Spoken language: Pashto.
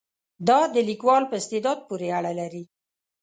دا د لیکوال په استعداد پورې اړه لري.